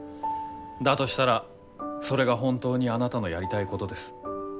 だとしたらそれが本当にあなたのやりたいことです。